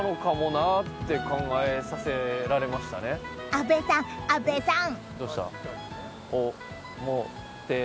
阿部さん、阿部さん！